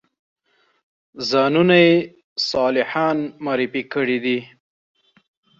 ځانونه یې صالحان معرفي کړي دي.